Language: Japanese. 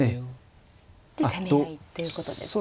で攻め合いということですね。